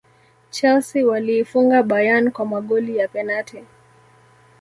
chelsea waliifunga bayern kwa magoli ya penati